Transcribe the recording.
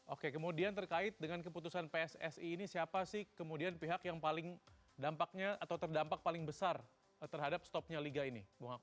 oke kemudian terkait dengan keputusan pssi ini siapa sih kemudian pihak yang paling dampaknya atau terdampak paling besar terhadap stopnya liga ini